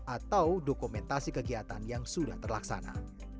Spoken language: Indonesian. atau dokumentasi kegiatan yang sudah terlaksana